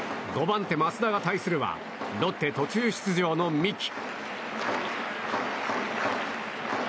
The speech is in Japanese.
５番手、増田が対するはロッテ途中出場の三木。